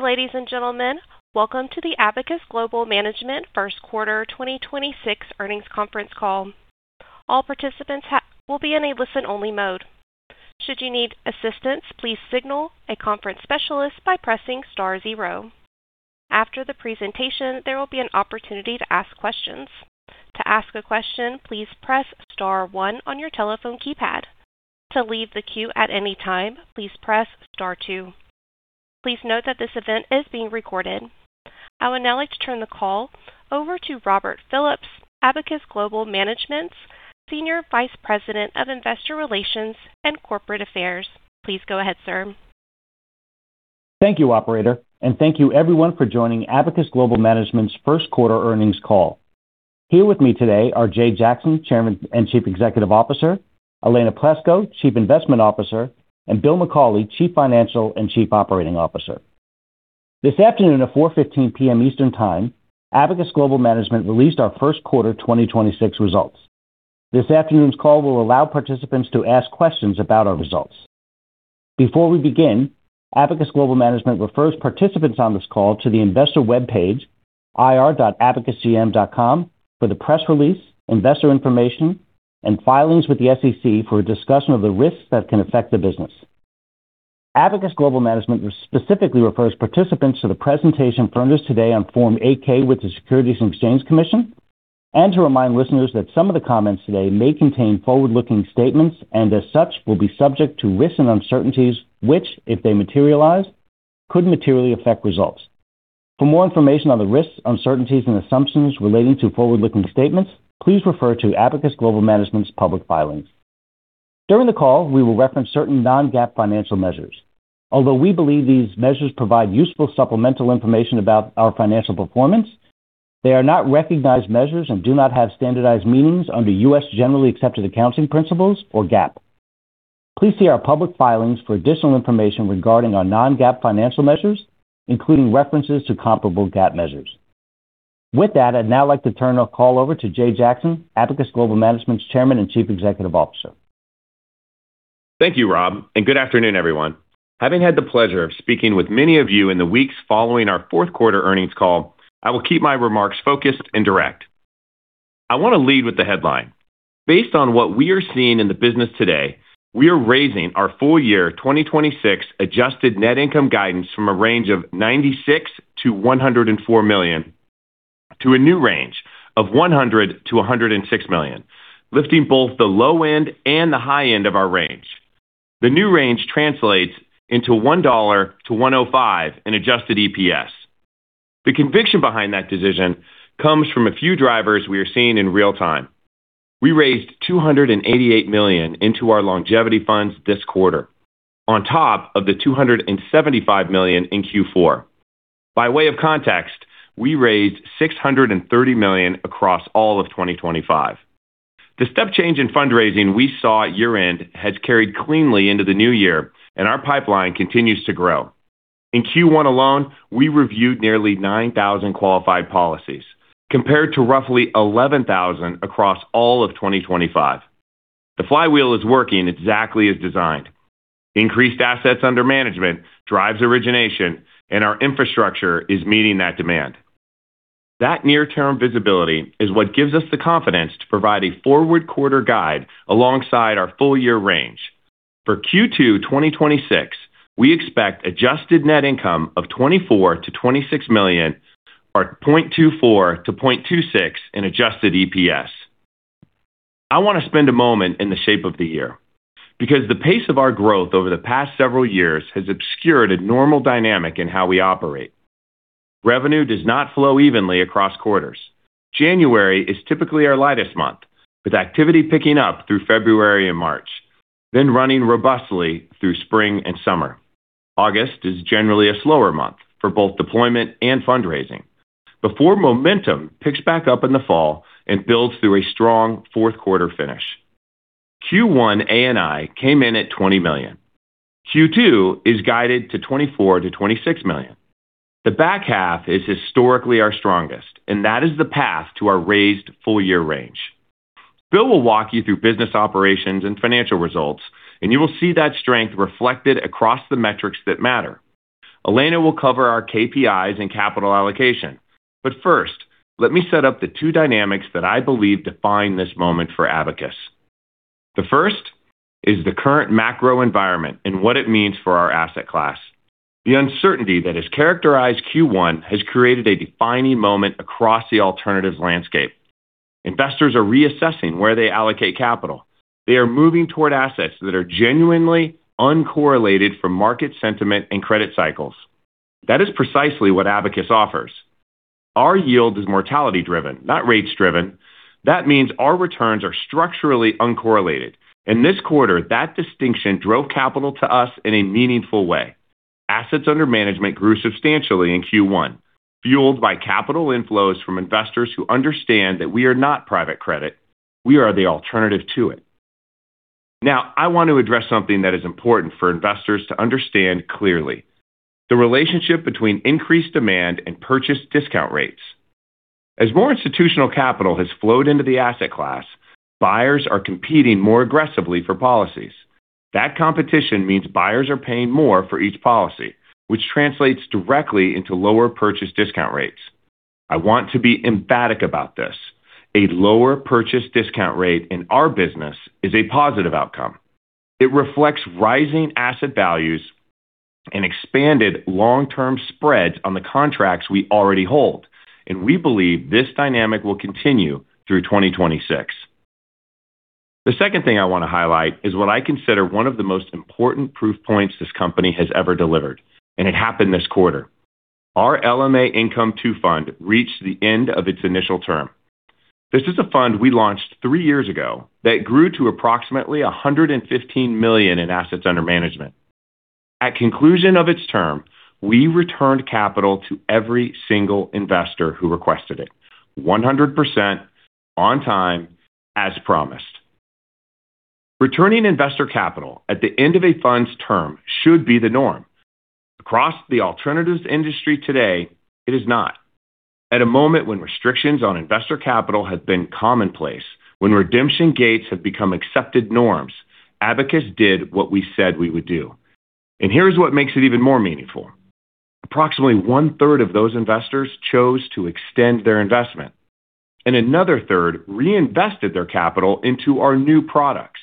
Good day, ladies and gentlemen. Welcome to the Abacus Global Management first quarter 2026 earnings conference call. All participants will be in a listen-only mode. Should you need assistance, please signal a conference specialist by pressing star zero. After the presentation, there will be an opportunity to ask questions. To ask a question, please press star one on your telephone keypad. To leave the queue at any time, please press star two. Please note that this event is being recorded. I would now like to turn the call over to Robert Phillips, Abacus Global Management's Senior Vice President of Investor Relations and Corporate Affairs. Please go ahead, sir. Thank you, operator, and thank you everyone for joining Abacus Global Management's first quarter earnings call. Here with me today are Jay Jackson, Chairman and Chief Executive Officer, Elena Plesco, Chief Investment Officer, and Bill McCauley, Chief Financial and Chief Operating Officer. This afternoon at 4:15 P.M. Eastern Time, Abacus Global Management released our first quarter 2026 results. This afternoon's call will allow participants to ask questions about our results. Before we begin, Abacus Global Management refers participants on this call to the investor webpage ir.abacusgm.com for the press release, investor information, and filings with the SEC for a discussion of the risks that can affect the business. Abacus Global Management specifically refers participants to the presentation furnished today on Form 8-K with the Securities and Exchange Commission, and to remind listeners that some of the comments today may contain forward-looking statements and as such will be subject to risks and uncertainties, which, if they materialize, could materially affect results. For more information on the risks, uncertainties, and assumptions relating to forward-looking statements, please refer to Abacus Global Management's public filings. During the call, we will reference certain non-GAAP financial measures. Although we believe these measures provide useful supplemental information about our financial performance, they are not recognized measures and do not have standardized meanings under U.S. generally accepted accounting principles, or GAAP. Please see our public filings for additional information regarding our non-GAAP financial measures, including references to comparable GAAP measures. With that, I'd now like to turn the call over to Jay Jackson, Abacus Global Management's Chairman and Chief Executive Officer. Thank you, Rob, and good afternoon, everyone. Having had the pleasure of speaking with many of you in the weeks following our fourth quarter earnings call, I will keep my remarks focused and direct. I want to lead with the headline. Based on what we are seeing in the business today, we are raising our full-year 2026 adjusted net income guidance from a range of $96 million-$104 million to a new range of $100 million-$106 million, lifting both the low end and the high end of our range. The new range translates into $1.00-$1.05 in adjusted EPS. The conviction behind that decision comes from a few drivers we are seeing in real time. We raised $288 million into our longevity funds this quarter, on top of the $275 million in Q4. By way of context, we raised $630 million across all of 2025. The step change in fundraising we saw at year-end has carried cleanly into the new year, and our pipeline continues to grow. In Q1 alone, we reviewed nearly 9,000 qualified policies, compared to roughly 11,000 across all of 2025. The flywheel is working exactly as designed. Increased assets under management drives origination, and our infrastructure is meeting that demand. That near-term visibility is what gives us the confidence to provide a forward quarter guide alongside our full-year range. For Q2 2026, we expect adjusted net income of $24 million-$26 million, or $0.24-$0.26 in adjusted EPS. I want to spend a moment in the shape of the year because the pace of our growth over the past several years has obscured a normal dynamic in how we operate. Revenue does not flow evenly across quarters. January is typically our lightest month, with activity picking up through February and March, then running robustly through spring and summer. August is generally a slower month for both deployment and fundraising before momentum picks back up in the fall and builds through a strong fourth quarter finish. Q1 ANI came in at $20 million. Q2 is guided to $24 million-$26 million. The back half is historically our strongest, and that is the path to our raised full-year range. Bill will walk you through business operations and financial results, and you will see that strength reflected across the metrics that matter. Elena will cover our KPIs and capital allocation. First, let me set up the two dynamics that I believe define this moment for Abacus. The first is the current macro environment and what it means for our asset class. The uncertainty that has characterized Q1 has created a defining moment across the alternatives landscape. Investors are reassessing where they allocate capital. They are moving toward assets that are genuinely uncorrelated from market sentiment and credit cycles. That is precisely what Abacus offers. Our yield is mortality-driven, not rates-driven. That means our returns are structurally uncorrelated. In this quarter, that distinction drove capital to us in a meaningful way. Assets under management grew substantially in Q1, fueled by capital inflows from investors who understand that we are not private credit, we are the alternative to it. I want to address something that is important for investors to understand clearly: the relationship between increased demand and purchase discount rates. As more institutional capital has flowed into the asset class, buyers are competing more aggressively for policies. Competition means buyers are paying more for each policy, which translates directly into lower purchase discount rates. I want to be emphatic about this. A lower purchase discount rate in our business is a positive outcome. It reflects rising asset values and expanded long-term spreads on the contracts we already hold. We believe this dynamic will continue through 2026. The second thing I want to highlight is what I consider one of the most important proof points this company has ever delivered. It happened this quarter. Our LMA Income II fund reached the end of its initial term. This is a fund we launched three years ago that grew to approximately $115 million in assets under management. At conclusion of its term, we returned capital to every single investor who requested it 100% on time as promised. Returning investor capital at the end of a fund's term should be the norm. Across the alternatives industry today, it is not. At a moment when restrictions on investor capital have been commonplace, when redemption gates have become accepted norms, Abacus did what we said we would do. Here's what makes it even more meaningful. Approximately one-third of those investors chose to extend their investment, and another third reinvested their capital into our new products.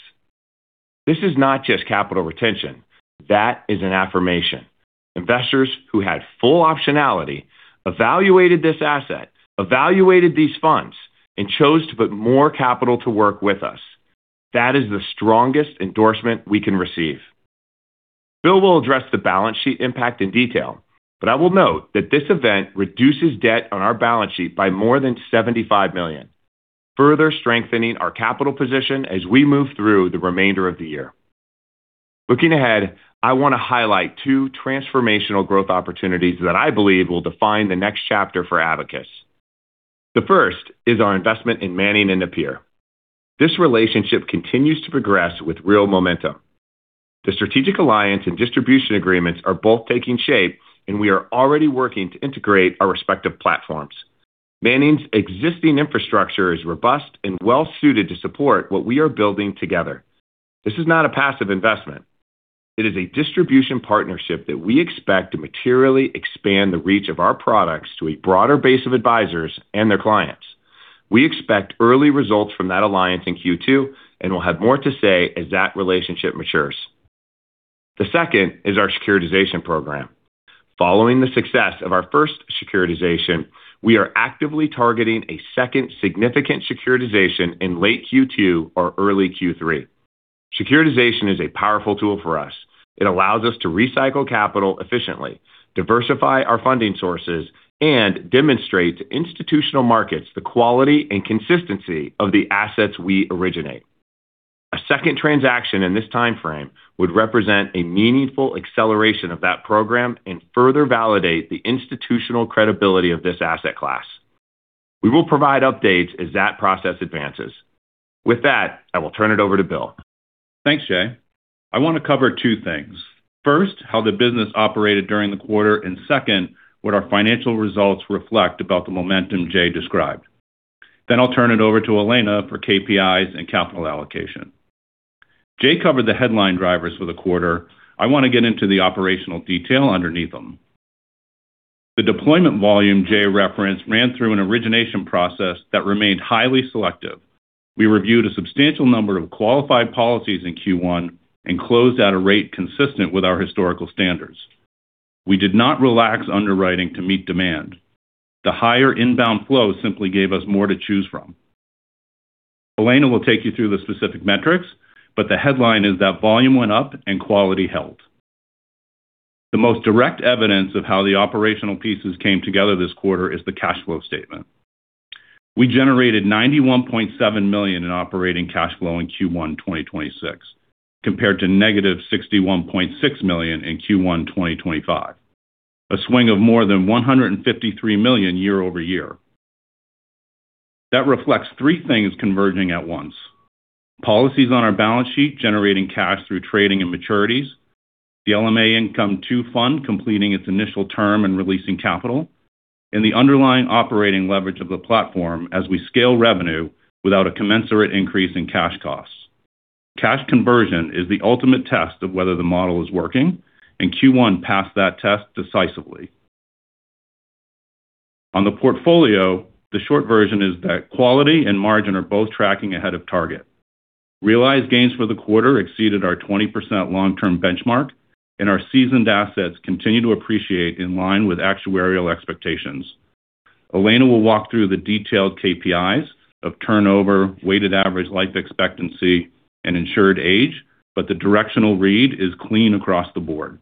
This is not just capital retention. That is an affirmation. Investors who had full optionality evaluated this asset, evaluated these funds, and chose to put more capital to work with us. That is the strongest endorsement we can receive. Bill will address the balance sheet impact in detail, but I will note that this event reduces debt on our balance sheet by more than $75 million, further strengthening our capital position as we move through the remainder of the year. Looking ahead, I wanna highlight two transformational growth opportunities that I believe will define the next chapter for Abacus. The first is our investment in Manning & Napier. This relationship continues to progress with real momentum. The strategic alliance and distribution agreements are both taking shape, and we are already working to integrate our respective platforms. Manning's existing infrastructure is robust and well suited to support what we are building together. This is not a passive investment. It is a distribution partnership that we expect to materially expand the reach of our products to a broader base of advisors and their clients. We expect early results from that alliance in Q2, and we'll have more to say as that relationship matures. The second is our securitization program. Following the success of our first securitization, we are actively targeting a second significant securitization in late Q2 or early Q3. Securitization is a powerful tool for us. It allows us to recycle capital efficiently, diversify our funding sources, and demonstrate to institutional markets the quality and consistency of the assets we originate. A second transaction in this timeframe would represent a meaningful acceleration of that program and further validate the institutional credibility of this asset class. We will provide updates as that process advances. With that, I will turn it over to Bill. Thanks, Jay. I want to cover two things. First, how the business operated during the quarter, second, what our financial results reflect about the momentum Jay described. I'll turn it over to Elena for KPIs and capital allocation. Jay covered the headline drivers for the quarter. I want to get into the operational detail underneath them. The deployment volume Jay referenced ran through an origination process that remained highly selective. We reviewed a substantial number of qualified policies in Q1 and closed at a rate consistent with our historical standards. We did not relax underwriting to meet demand. The higher inbound flow simply gave us more to choose from. Elena will take you through the specific metrics, the headline is that volume went up and quality held. The most direct evidence of how the operational pieces came together this quarter is the cash flow statement. We generated $91.7 million in operating cash flow in Q1 2026, compared to -$61.6 million in Q1 2025. A swing of more than $153 million year-over-year. That reflects three things converging at once. Policies on our balance sheet generating cash through trading and maturities. The LMA Income II fund completing its initial term and releasing capital. The underlying operating leverage of the platform as we scale revenue without a commensurate increase in cash costs. Cash conversion is the ultimate test of whether the model is working, and Q1 passed that test decisively. On the portfolio, the short version is that quality and margin are both tracking ahead of target. Realized gains for the quarter exceeded our 20% long-term benchmark, and our seasoned assets continue to appreciate in line with actuarial expectations. Elena will walk through the detailed KPIs of turnover, weighted average life expectancy, and insured age, but the directional read is clean across the board.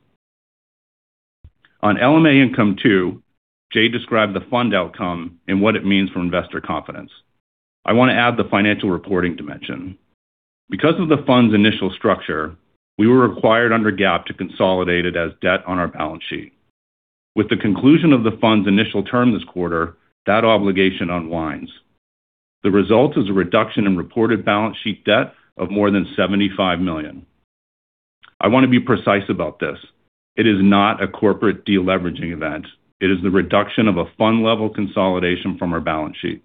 On LMA Income II, Jay described the fund outcome and what it means for investor confidence. I want to add the financial reporting dimension. Because of the fund's initial structure, we were required under GAAP to consolidate it as debt on our balance sheet. With the conclusion of the fund's initial term this quarter, that obligation unwinds. The result is a reduction in reported balance sheet debt of more than $75 million. I want to be precise about this. It is not a corporate deleveraging event. It is the reduction of a fund level consolidation from our balance sheet.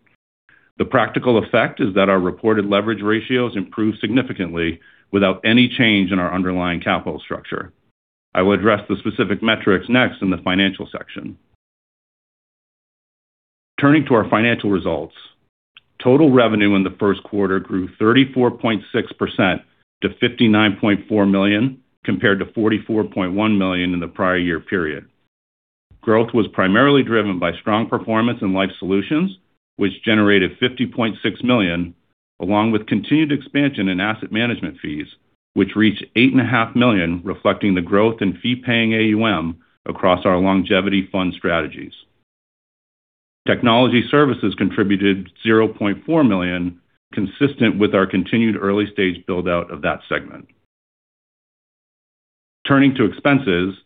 The practical effect is that our reported leverage ratios improve significantly without any change in our underlying capital structure. I will address the specific metrics next in the financial section. Turning to our financial results, total revenue in the first quarter grew 34.6% to $59.4 million, compared to $44.1 million in the prior year period. Growth was primarily driven by strong performance in Life Solutions, which generated $50.6 million, along with continued expansion in asset management fees, which reached $8.5 million, reflecting the growth in fee-paying AUM across our longevity fund strategies. Technology services contributed $0.4 million, consistent with our continued early-stage build-out of that segment. Turning to expenses,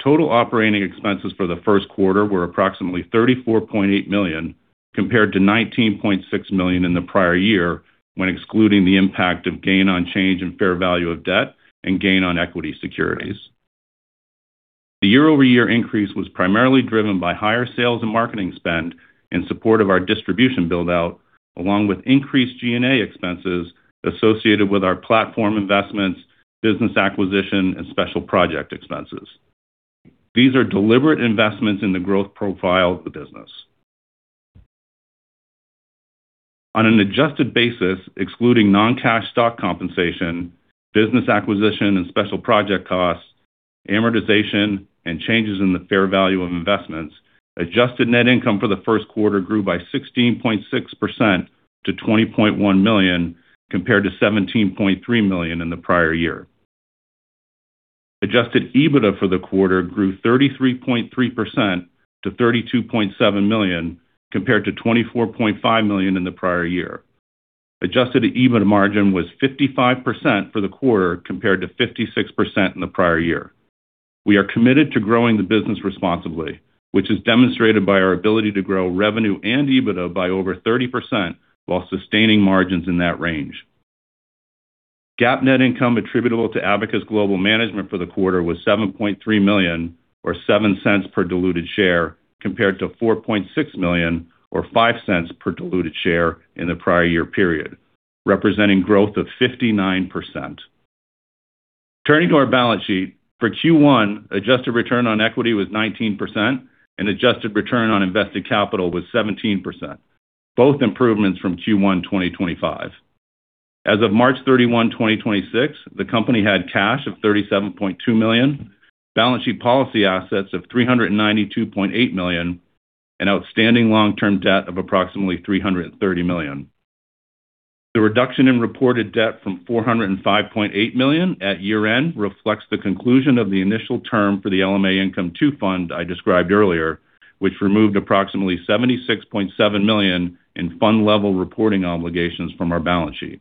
total operating expenses for the first quarter were approximately $34.8 million, compared to $19.6 million in the prior year, when excluding the impact of gain on change in fair value of debt and gain on equity securities. The year-over-year increase was primarily driven by higher sales and marketing spend in support of our distribution build-out, along with increased G&A expenses associated with our platform investments, business acquisition, and special project expenses. These are deliberate investments in the growth profile of the business. On an adjusted basis, excluding non-cash stock compensation, business acquisition and special project costs, amortization, and changes in the fair value of investments, adjusted net income for the first quarter grew by 16.6% to $20.1 million, compared to $17.3 million in the prior year. Adjusted EBITDA for the quarter grew 33.3% to $32.7 million, compared to $24.5 million in the prior year. Adjusted EBITDA margin was 55% for the quarter, compared to 56% in the prior year. We are committed to growing the business responsibly, which is demonstrated by our ability to grow revenue and EBITDA by over 30% while sustaining margins in that range. GAAP net income attributable to Abacus Global Management for the quarter was $7.3 million, or $0.07 per diluted share, compared to $4.6 million or $0.05 per diluted share in the prior year period, representing growth of 59%. Turning to our balance sheet, for Q1, adjusted return on equity was 19% and adjusted return on invested capital was 17%, both improvements from Q1 2025. As of March 31, 2026, the company had cash of $37.2 million, balance sheet policy assets of $392.8 million, and outstanding long-term debt of approximately $330 million. The reduction in reported debt from $405.8 million at year-end reflects the conclusion of the initial term for the LMA Income II fund I described earlier, which removed approximately $76.7 million in fund-level reporting obligations from our balance sheet.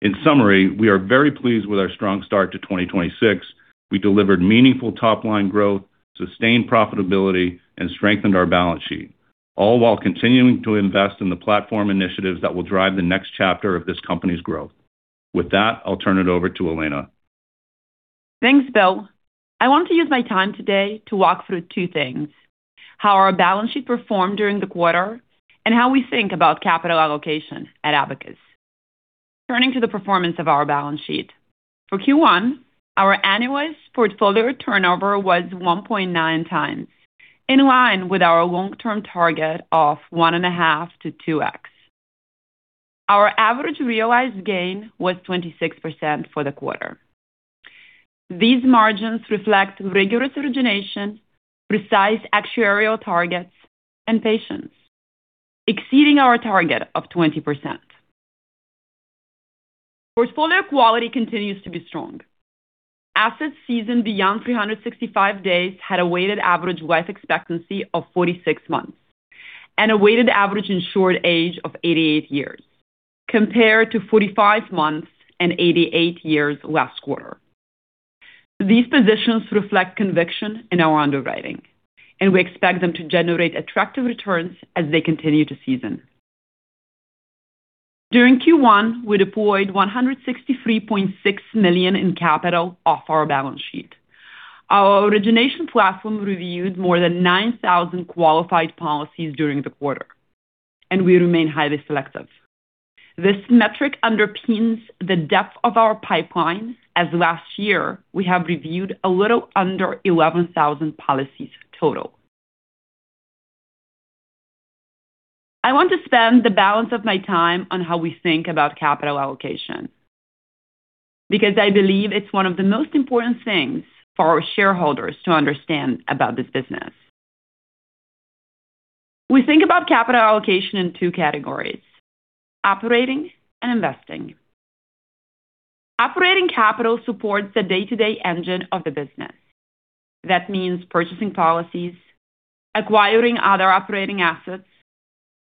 In summary, we are very pleased with our strong start to 2026. We delivered meaningful top-line growth, sustained profitability, and strengthened our balance sheet, all while continuing to invest in the platform initiatives that will drive the next chapter of this company's growth. With that, I'll turn it over to Elena. Thanks, Bill. I want to use my time today to walk through two things: how our balance sheet performed during the quarter and how we think about capital allocation at Abacus. Turning to the performance of our balance sheet, for Q1, our annualized portfolio turnover was 1.9x, in line with our long-term target of 1.5x-2x. Our average realized gain was 26% for the quarter. These margins reflect rigorous origination, precise actuarial targets, and patience, exceeding our target of 20%. Portfolio quality continues to be strong. Assets seasoned beyond 365 days had a weighted average life expectancy of 46 months and a weighted average insured age of 88 years, compared to 45 months and 88 years last quarter. These positions reflect conviction in our underwriting. We expect them to generate attractive returns as they continue to season. During Q1, we deployed $163.6 million in capital off our balance sheet. Our origination platform reviewed more than 9,000 qualified policies during the quarter. We remain highly selective. This metric underpins the depth of our pipeline, as last year, we have reviewed a little under 11,000 policies total. I want to spend the balance of my time on how we think about capital allocation because I believe it's one of the most important things for our shareholders to understand about this business. We think about capital allocation in two categories: operating and investing. Operating capital supports the day-to-day engine of the business. That means purchasing policies, acquiring other operating assets,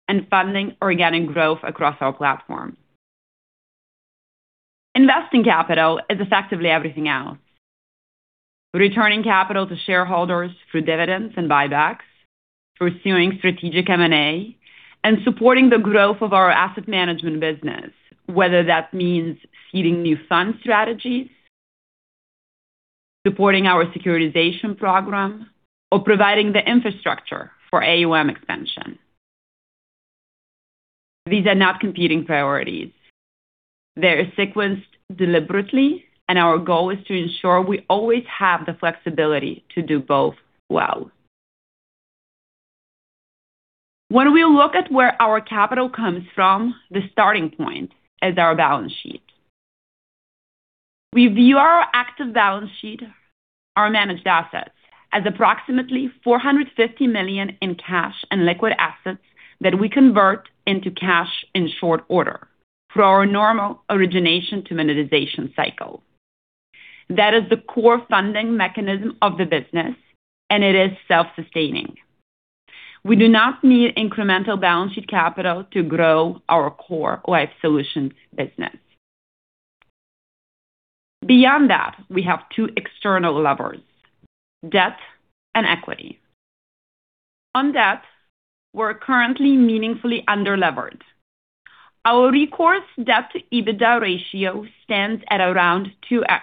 and funding organic growth across our platform. Investing capital is effectively everything else. Returning capital to shareholders through dividends and buybacks, pursuing strategic M&A, and supporting the growth of our asset management business, whether that means seeding new fund strategies, supporting our securitization program, or providing the infrastructure for AUM expansion. These are not competing priorities. They're sequenced deliberately, and our goal is to ensure we always have the flexibility to do both well. When we look at where our capital comes from, the starting point is our balance sheet. We view our active balance sheet, our managed assets, as approximately $450 million in cash and liquid assets that we convert into cash in short order through our normal origination to monetization cycle. That is the core funding mechanism of the business, and it is self-sustaining. We do not need incremental balance sheet capital to grow our core Life Solutions business. Beyond that, we have two external levers, debt and equity. On debt, we're currently meaningfully under-levered. Our recourse debt-to-EBITDA ratio stands at around 2x,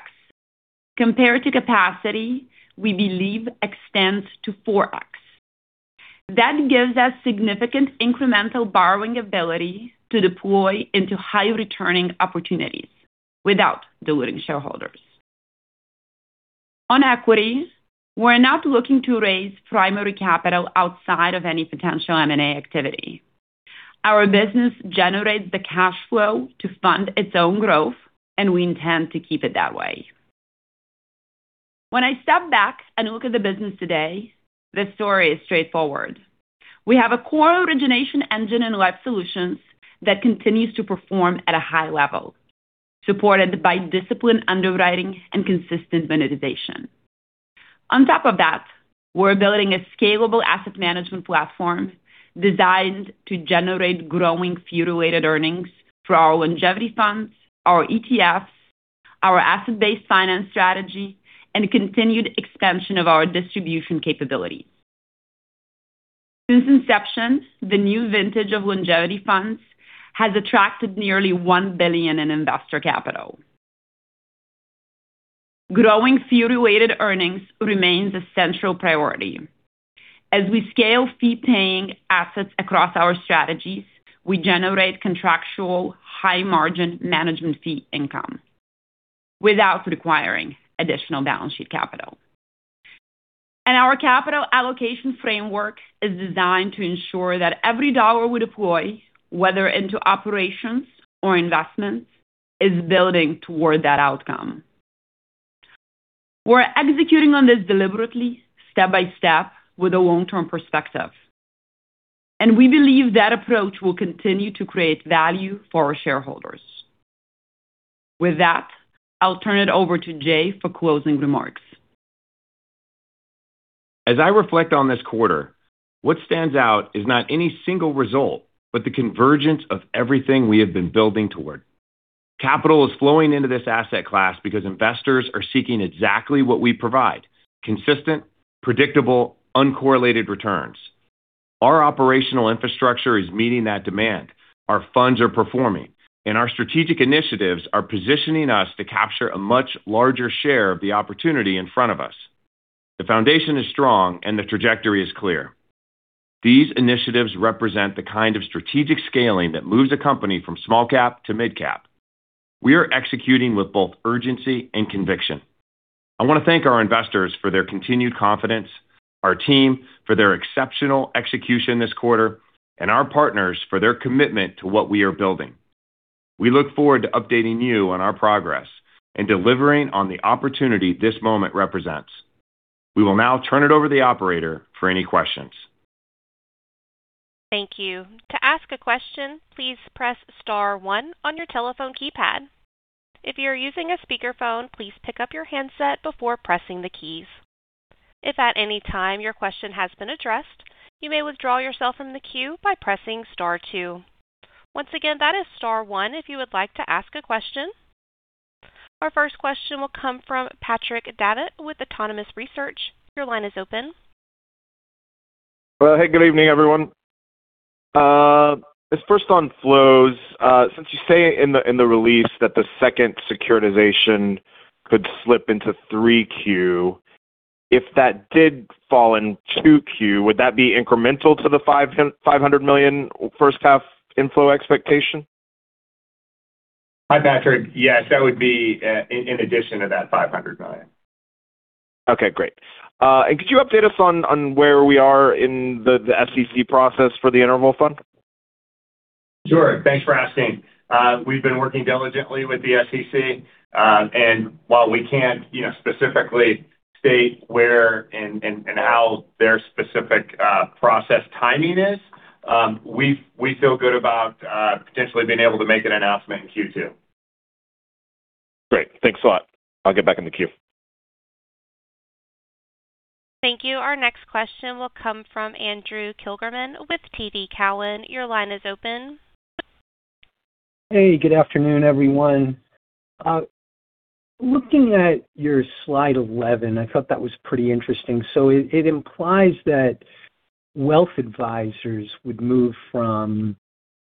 compared to capacity we believe extends to 4x. That gives us significant incremental borrowing ability to deploy into high-returning opportunities without diluting shareholders. On equity, we're not looking to raise primary capital outside of any potential M&A activity. Our business generates the cash flow to fund its own growth, and we intend to keep it that way. When I step back and look at the business today, the story is straightforward. We have a core origination engine in Life Solutions that continues to perform at a high level, supported by disciplined underwriting and consistent monetization. On top of that, we're building a scalable asset management platform designed to generate growing fee-related earnings through our longevity funds, our ETFs, our asset-based finance strategy, and continued expansion of our distribution capabilities. Since inception, the new vintage of longevity funds has attracted nearly $1 billion in investor capital. Growing fee-related earnings remains a central priority. As we scale fee-paying assets across our strategies, we generate contractual high-margin management fee income without requiring additional balance sheet capital. Our capital allocation framework is designed to ensure that every dollar we deploy, whether into operations or investments, is building toward that outcome. We're executing on this deliberately, step by step, with a long-term perspective, and we believe that approach will continue to create value for our shareholders. With that, I'll turn it over to Jay for closing remarks. As I reflect on this quarter, what stands out is not any single result, but the convergence of everything we have been building toward. Capital is flowing into this asset class because investors are seeking exactly what we provide: consistent, predictable, uncorrelated returns. Our operational infrastructure is meeting that demand, our funds are performing, and our strategic initiatives are positioning us to capture a much larger share of the opportunity in front of us. The foundation is strong, and the trajectory is clear. These initiatives represent the kind of strategic scaling that moves a company from small cap to mid cap. We are executing with both urgency and conviction. I want to thank our investors for their continued confidence, our team for their exceptional execution this quarter, and our partners for their commitment to what we are building. We look forward to updating you on our progress and delivering on the opportunity this moment represents. We will now turn it over to the operator for any questions. Thank you. To ask a question, please press star one on your telephone keypad. If you're using a speakerphone, please pick up your handset before pressing the keys. If at anytime your question has been addressed, you may withdraw yourself from the queue by pressing star two. Once again, that is star one if you would like to ask a question. Our first question will come from Patrick Davitt with Autonomous Research. Your line is open. Well, hey, good evening, everyone. This first on flows. Since you say in the release that the second securitization could slip into 3Q, if that did fall in 2Q, would that be incremental to the $500 million first half inflow expectation? Hi, Patrick. Yes, that would be in addition to that $500 million. Okay, great. Could you update us on where we are in the SEC process for the interval fund? Sure. Thanks for asking. We've been working diligently with the SEC. While we can't, you know, specifically state where and, and how their specific process timing is, we feel good about potentially being able to make an announcement in Q2. Great. Thanks a lot. I'll get back in the queue. Thank you. Our next question will come from Andrew Kligerman with TD Cowen. Your line is open. Hey, good afternoon, everyone. Looking at your slide 11, I thought that was pretty interesting. It implies that wealth advisors would move from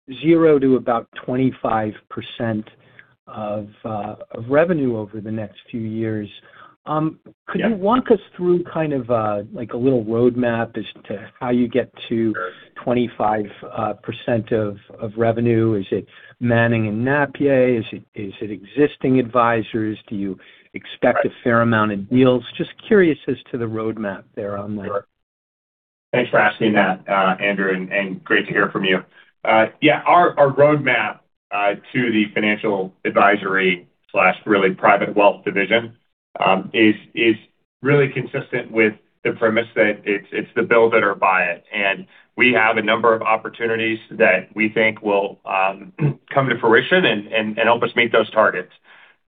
0% to about 25% of revenue over the next few years. Could you walk us through kind of, like, a little roadmap as to how you get? Sure. 25% of revenue? Is it Manning & Napier? Is it existing advisors? Do you expect- Right. A fair amount in deals? Just curious as to the roadmap there on that. Sure. Thanks for asking that, Andrew, and great to hear from you. Yeah, our roadmap to the financial advisory slash really private wealth division is really consistent with the premise that it's the build it or buy it. We have a number of opportunities that we think will come to fruition and help us meet those targets.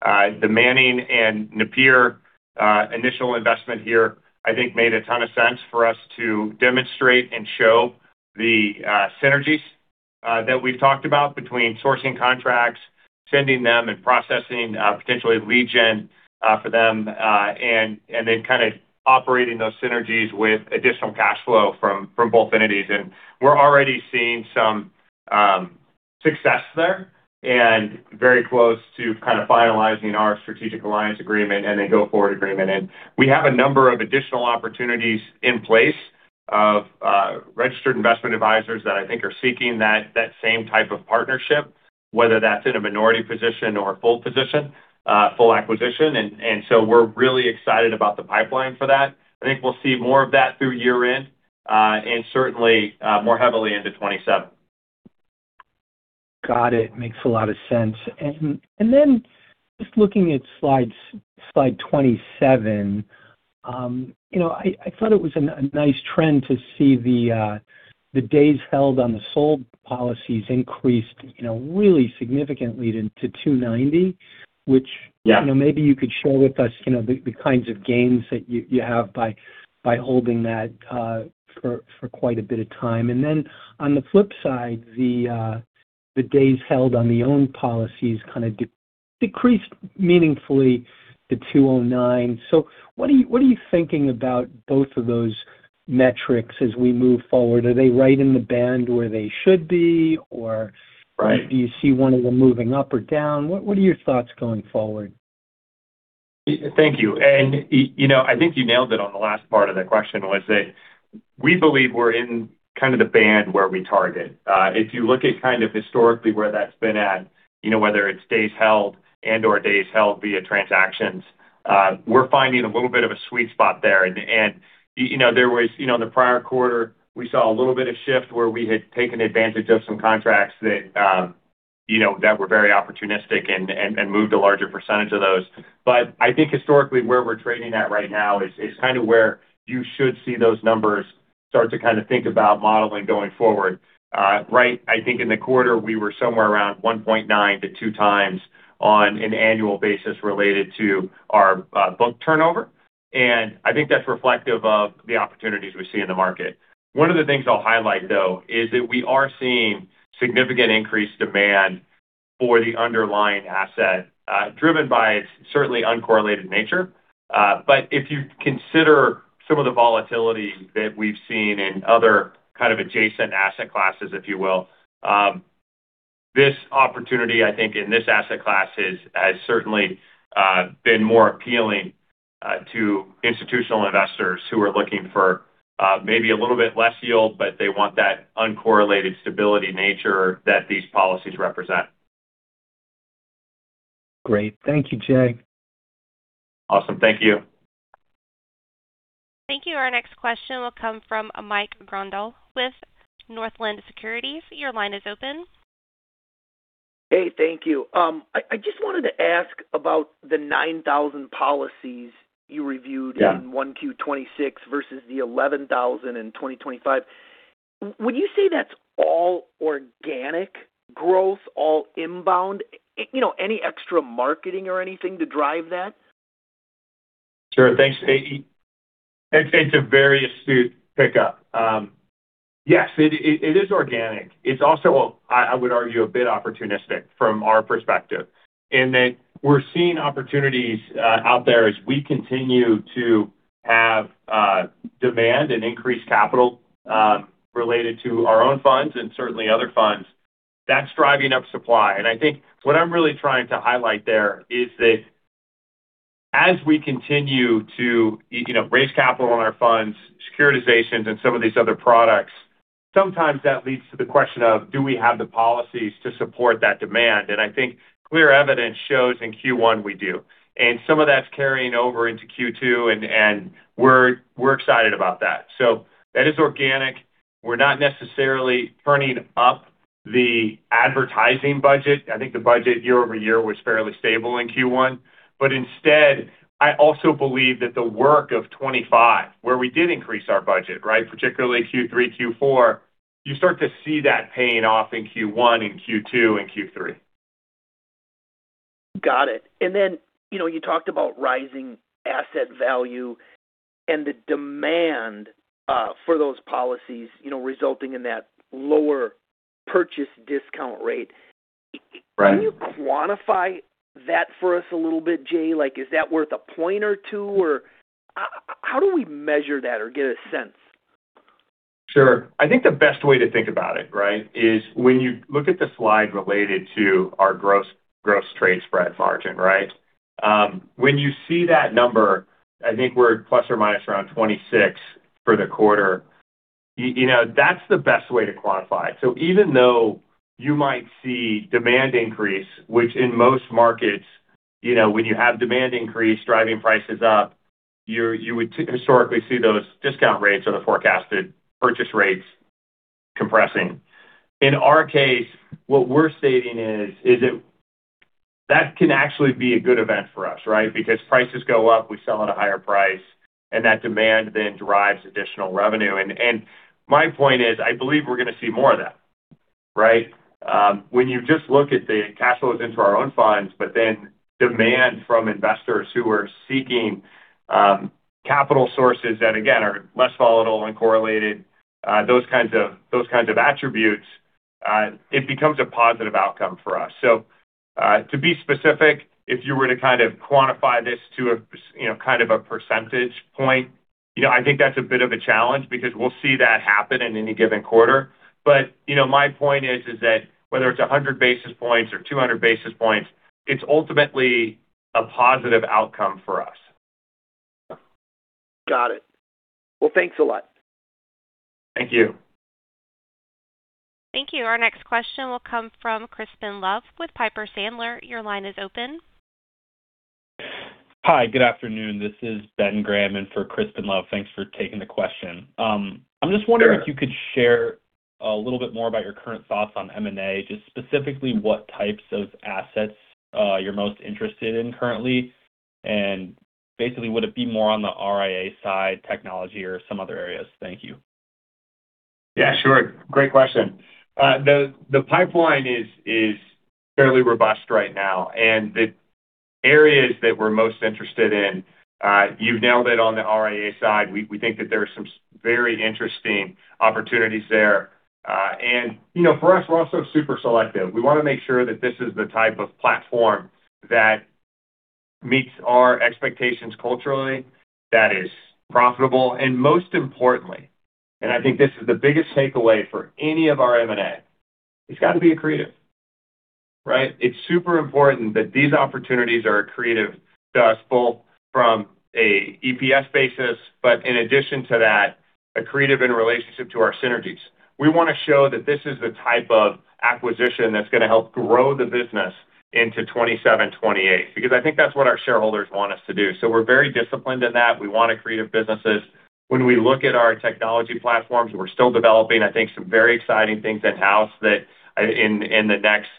The Manning & Napier initial investment here, I think, made a ton of sense for us to demonstrate and show the synergies that we've talked about between sourcing contracts, sending them and processing potentially lead gen for them, and then kinda operating those synergies with additional cash flow from both entities. We're already seeing some success there and very close to kind of finalizing our strategic alliance agreement and then go forward agreement. We have a number of additional opportunities in place of registered investment advisors that I think are seeking that same type of partnership, whether that's in a minority position or a full position, full acquisition. We're really excited about the pipeline for that. I think we'll see more of that through year-end and certainly more heavily into 2027. Got it. Makes a lot of sense. Then just looking at slide 27, you know, I thought it was a nice trend to see the days held on the sold policies increased, you know, really significantly to 290. Yeah. Maybe you could share with us, you know, the kinds of gains that you have by holding that for quite a bit of time. On the flip side, the days held on the own policies kind of decreased meaningfully to 209. What are you thinking about both of those metrics as we move forward? Are they right in the band where they should be? Right. Do you see one of them moving up or down? What are your thoughts going forward? Thank you. You know, I think you nailed it on the last part of the question was that we believe we're in kind of the band where we target. If you look at kind of historically where that's been at, you know, whether it's days held and/or days held via transactions, we're finding a little bit of a sweet spot there. You know, there was, you know, in the prior quarter, we saw a little bit of shift where we had taken advantage of some contracts that, you know, that were very opportunistic and moved a larger percentage of those. I think historically, where we're trading at right now is kind of where you should see those numbers start to kind of think about modeling going forward. Right, I think in the quarter, we were somewhere around 1.9x-2x on an annual basis related to our book turnover. I think that's reflective of the opportunities we see in the market. One of the things I'll highlight, though, is that we are seeing significant increased demand for the underlying asset, driven by its certainly uncorrelated nature. If you consider some of the volatility that we've seen in other kind of adjacent asset classes, if you will, this opportunity, I think, in this asset class has certainly been more appealing to institutional investors who are looking for maybe a little bit less yield, but they want that uncorrelated stability nature that these policies represent. Great. Thank you, Jay. Awesome. Thank you. Thank you. Our next question will come from Mike Grondahl with Northland Securities. Your line is open. Hey, thank you. I just wanted to ask about the 9,000 policies you reviewed. Yeah. In 1Q 2026 versus the 11,000 in 2025. Would you say that's all organic growth, all inbound? You know, any extra marketing or anything to drive that? Sure. Thanks, Mike. It's a very astute pickup. Yes, it is organic. It's also, I would argue, a bit opportunistic from our perspective in that we're seeing opportunities out there as we continue to have demand and increased capital related to our own funds and certainly other funds. That's driving up supply. I think what I'm really trying to highlight there is that as we continue to, you know, raise capital in our funds, securitizations and some of these other products, sometimes that leads to the question of, do we have the policies to support that demand? I think clear evidence shows in Q1 we do. Some of that's carrying over into Q2, and we're excited about that. That is organic. We're not necessarily turning up the advertising budget. I think the budget year-over-year was fairly stable in Q1. Instead, I also believe that the work of 2025, where we did increase our budget, right, particularly Q3, Q4, you start to see that paying off in Q1 and Q2 and Q3. Got it. Then, you know, you talked about rising asset value and the demand for those policies, you know, resulting in that lower purchase discount rate. Right. Can you quantify that for us a little bit, Jay? Like, is that worth a point or two, or how do we measure that or get a sense? Sure. I think the best way to think about it, right, is when you look at the slide related to our gross trade spread margin, right? When you see that number, I think we're ±26% for the quarter. You know, that's the best way to quantify it. Even though you might see demand increase, which in most markets, you know, when you have demand increase driving prices up, you would historically see those discount rates or the forecasted purchase rates compressing. In our case, what we're stating is that can actually be a good event for us, right? Prices go up, we sell at a higher price, and that demand then drives additional revenue. My point is, I believe we're going to see more of that, right? When you just look at the cash flows into our own funds, demand from investors who are seeking capital sources that, again, are less volatile and correlated, those kinds of, those kinds of attributes, it becomes a positive outcome for us. To be specific, if you were to kind of quantify this to a, you know, kind of a percentage point, you know, I think that's a bit of a challenge because we'll see that happen in any given quarter. You know, my point is that whether it's 100 basis points or 200 basis points, it's ultimately a positive outcome for us. Got it. Well, thanks a lot. Thank you. Thank you. Our next question will come from Crispin Love with Piper Sandler. Your line is open. Hi, good afternoon. This is Ben Graham in for Crispin Love. Thanks for taking the question. Sure. If you could share a little bit more about your current thoughts on M&A, just specifically what types of assets, you're most interested in currently. Basically, would it be more on the RIA side, technology or some other areas? Thank you. Yeah, sure. Great question. The pipeline is fairly robust right now, the areas that we're most interested in, you nailed it on the RIA side. We think that there are some very interesting opportunities there. You know, for us, we're also super selective. We want to make sure that this is the type of platform that meets our expectations culturally, that is profitable, most importantly, I think this is the biggest takeaway for any of our M&A, it's got to be accretive, right? It's super important that these opportunities are accretive to us, both from a EPS basis, in addition to that, accretive in relationship to our synergies. We want to show that this is the type of acquisition that's going to help grow the business into 2027, 2028, because I think that's what our shareholders want us to do. We're very disciplined in that. We want accretive businesses. When we look at our technology platforms, we're still developing, I think, some very exciting things in-house that, in the next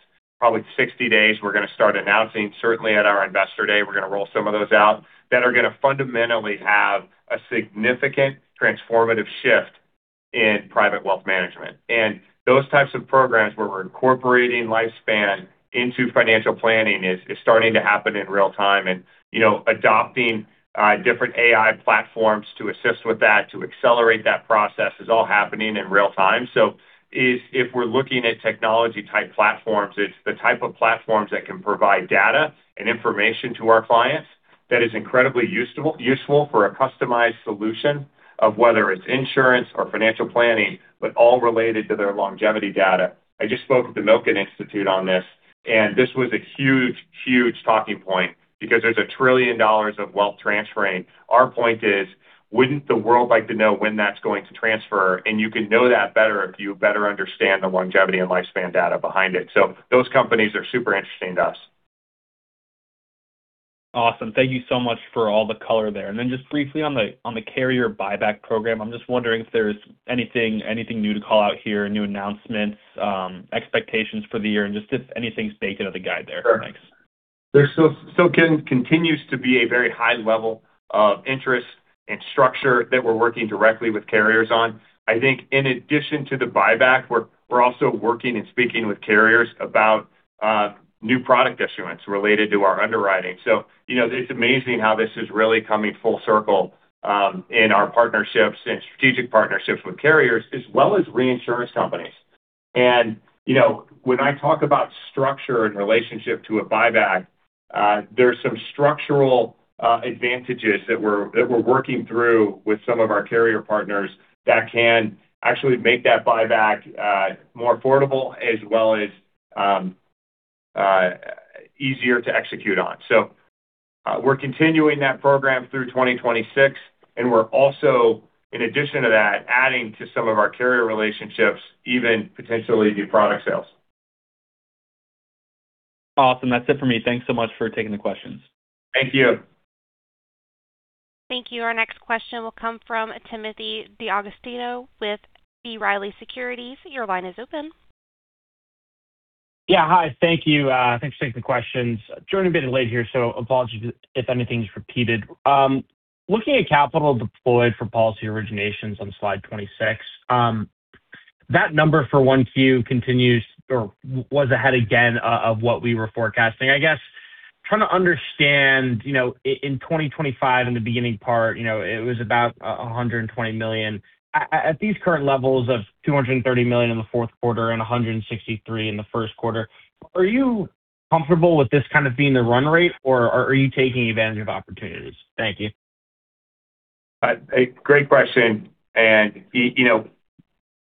probably 60 days, we're going to start announcing. Certainly at our Investor Day, we're going to roll some of those out that are going to fundamentally have a significant transformative shift in private wealth management. Those types of programs where we're incorporating lifespan into financial planning is starting to happen in real time. You know, adopting different AI platforms to assist with that, to accelerate that process is all happening in real time. If we're looking at technology-type platforms, it's the type of platforms that can provide data and information to our clients that is incredibly useful for a customized solution of whether it's insurance or financial planning, but all related to their longevity data. I just spoke at the Milken Institute on this, and this was a huge talking point because there's a $1 trillion of wealth transferring. Our point is: Wouldn't the world like to know when that's going to transfer? You can know that better if you better understand the longevity and lifespan data behind it. Those companies are super interesting to us. Awesome. Thank you so much for all the color there. Just briefly on the, on the carrier buyback program, I'm just wondering if there's anything new to call out here, new announcements, expectations for the year, and just if anything's baked into the guide there? Sure. Thanks. There still continues to be a very high level of interest and structure that we're working directly with carriers on. I think in addition to the buyback, we're also working and speaking with carriers about new product issuance related to our underwriting. You know, it's amazing how this is really coming full circle in our partnerships and strategic partnerships with carriers as well as reinsurance companies. You know, when I talk about structure in relationship to a buyback, there's some structural advantages that we're working through with some of our carrier partners that can actually make that buyback more affordable as well as easier to execute on. We're continuing that program through 2026, and we're also, in addition to that, adding to some of our carrier relationships, even potentially new product sales. Awesome. That's it for me. Thanks so much for taking the questions. Thank you. Thank you. Our next question will come from Timothy D'Agostino with B. Riley Securities. Your line is open. Yeah, hi. Thank you. Thanks for taking the questions. Joining a bit late here, so apologies if anything's repeated. Looking at capital deployed for policy originations on slide 26, that number for 1Q continues or was ahead again of what we were forecasting. I guess trying to understand, you know, in 2025 in the beginning part, you know, it was about $120 million. At these current levels of $230 million in the fourth quarter and $163 million in the first quarter, are you comfortable with this kind of being the run rate, or are you taking advantage of opportunities? Thank you. A great question. You know,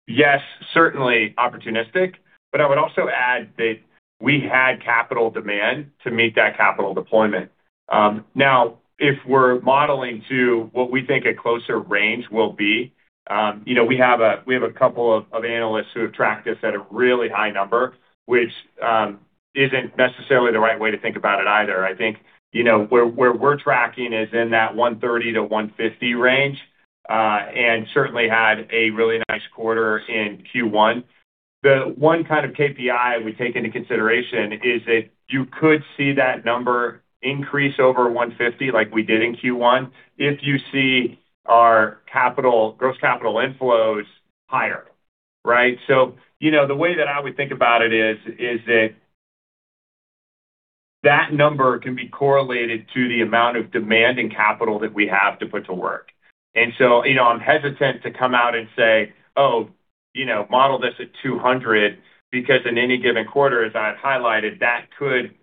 yes, certainly opportunistic, but I would also add that we had capital demand to meet that capital deployment. If we're modeling to what we think a closer range will be, you know, we have a couple of analysts who have tracked us at a really high number, which isn't necessarily the right way to think about it either. I think, you know, where we're tracking is in that 130-150 range, and certainly had a really nice quarter in Q1. The one kind of KPI we take into consideration is that you could see that number increase over 150 like we did in Q1 if you see our gross capital inflows higher, right? You know, the way that I would think about it is that that number can be correlated to the amount of demand and capital that we have to put to work. You know, I'm hesitant to come out and say, "Oh, you know, model this at 200," because in any given quarter, as I've highlighted, that could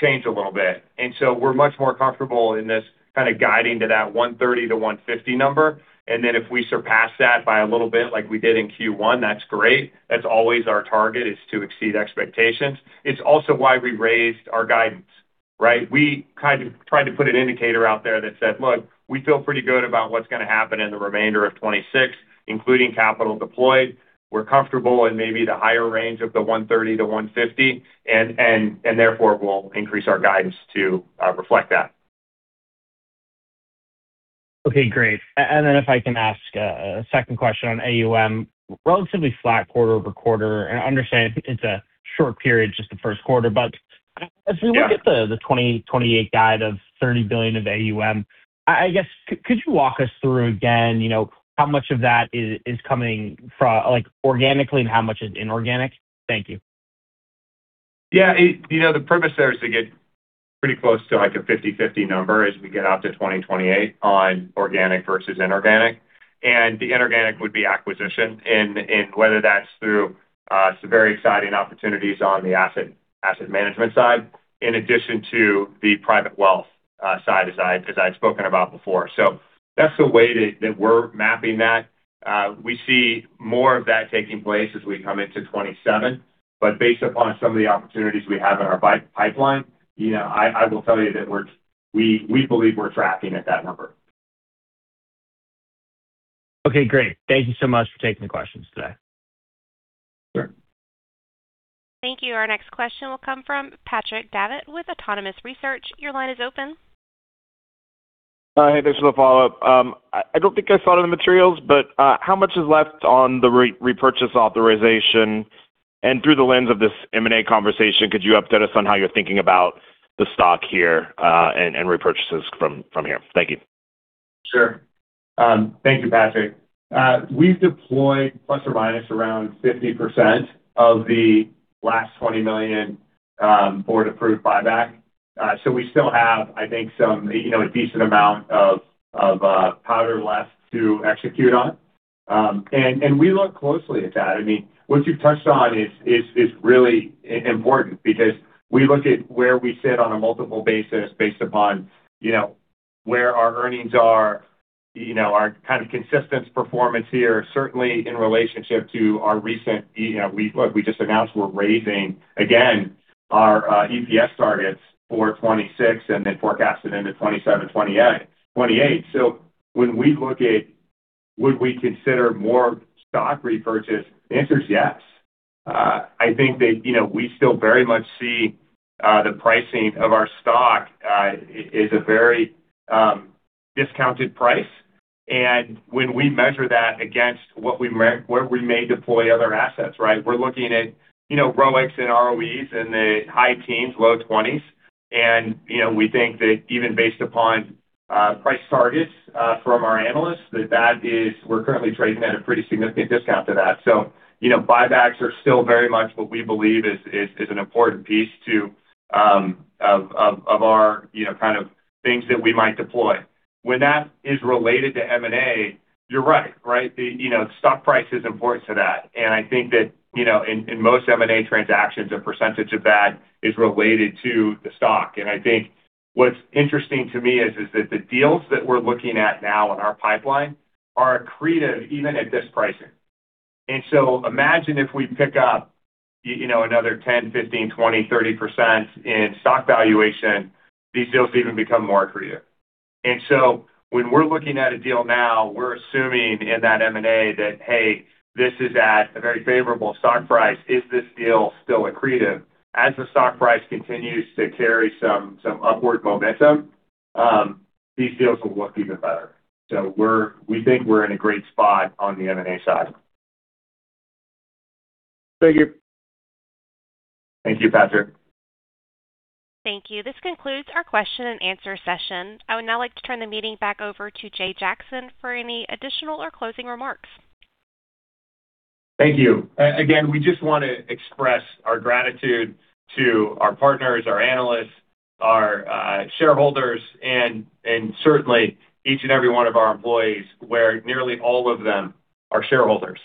change a little bit. We're much more comfortable in this kind of guiding to that 130-150 number. If we surpass that by a little bit like we did in Q1, that's great. That's always our target is to exceed expectations. It's also why we raised our guidance, right? We kind of tried to put an indicator out there that said, "Look, we feel pretty good about what's gonna happen in the remainder of 2026, including capital deployed. We're comfortable in maybe the higher range of the 130-150 and therefore we'll increase our guidance to reflect that. Okay, great. And then if I can ask a second question on AUM. Relatively flat quarter-over-quarter. I understand it's a short period, just the first quarter, but if we look at the 2028 guide of $30 billion of AUM, I guess could you walk us through again, you know, how much of that is coming from like organically and how much is inorganic? Thank you. Yeah. You know, the premise there is to get pretty close to like a 50/50 number as we get out to 2028 on organic versus inorganic. The inorganic would be acquisition in whether that's through some very exciting opportunities on the asset management side in addition to the private wealth side as I'd spoken about before. That's the way that we're mapping that. We see more of that taking place as we come into 2027. Based upon some of the opportunities we have in our pipeline, you know, I will tell you that we believe we're tracking at that number. Okay, great. Thank you so much for taking the questions today. Sure. Thank you. Our next question will come from Patrick Davitt with Autonomous Research. Your line is open. Hey, thanks for the follow-up. I don't think I saw it in the materials, but how much is left on the repurchase authorization? Through the lens of this M&A conversation, could you update us on how you're thinking about the stock here and repurchases from here? Thank you. Sure. Thank you, Patrick. We've deployed plus or minus around 50% of the last $20 million board-approved buyback. We still have, I think, some a decent amount of powder left to execute on. We look closely at that. What you've touched on is really important because we look at where we sit on a multiple basis based upon where our earnings are, our kind of consistent performance here, certainly in relationship to our recent look, we just announced we're raising again our EPS targets for 2026 and then forecasted into 2027, 2028. When we look at would we consider more stock repurchase, the answer is yes. I think that, you know, we still very much see the pricing of our stock is a very discounted price. When we measure that against where we may deploy other assets, right? We're looking at, you know, ROIC and ROEs in the high teens, low twenties. You know, we think that even based upon price targets from our analysts, we're currently trading at a pretty significant discount to that. You know, buybacks are still very much what we believe is an important piece to our, you know, kind of things that we might deploy. When that is related to M&A, you're right? The, you know, stock price is important to that. I think that, you know, in most M&A transactions, a percentage of that is related to the stock. I think what's interesting to me is that the deals that we're looking at now in our pipeline are accretive even at this pricing. Imagine if we pick up, you know, another 10%, 15%, 20%, 30% in stock valuation, these deals even become more accretive. When we're looking at a deal now, we're assuming in that M&A that, hey, this is at a very favorable stock price. Is this deal still accretive? As the stock price continues to carry some upward momentum, these deals will look even better. We think we're in a great spot on the M&A side. Thank you. Thank you, Patrick. Thank you. This concludes our question and answer session. I would now like to turn the meeting back over to Jay Jackson for any additional or closing remarks. Thank you. Again, we just want to express our gratitude to our partners, our analysts, our shareholders, and certainly each and every one of our employees, where nearly all of them are shareholders.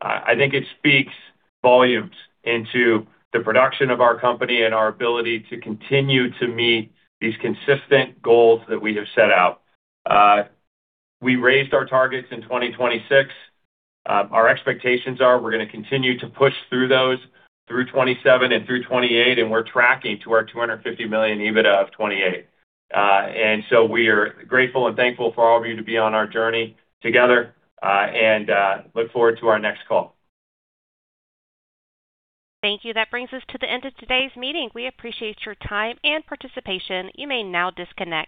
I think it speaks volumes into the production of our company and our ability to continue to meet these consistent goals that we have set out. We raised our targets in 2026. Our expectations are we're gonna continue to push through those through 2027 and through 2028, and we're tracking to our $250 million EBITDA of 2028. We are grateful and thankful for all of you to be on our journey together, and look forward to our next call. Thank you. That brings us to the end of today's meeting. We appreciate your time and participation. You may now disconnect.